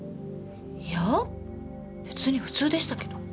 いや別に普通でしたけど。